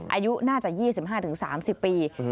อายุน่าจะ๒๕๓๐ปี